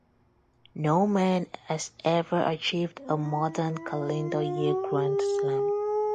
No man has ever achieved a modern calendar year Grand Slam.